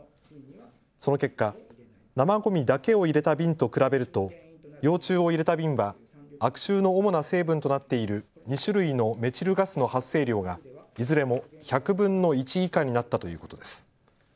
その結果、生ごみだけを入れた瓶と比べると幼虫を入れた瓶は悪臭の主な成分となっている２種類のメチルガスの発生量がいずれも１００分の１以下になったということです。